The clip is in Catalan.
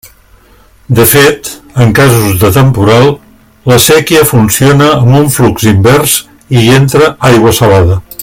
De fet, en casos de temporal, la séquia funciona amb un flux invers, i hi entra aigua salada.